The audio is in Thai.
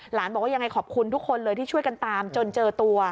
บอกว่ายังไงขอบคุณทุกคนเลยที่ช่วยกันตามจนเจอตัว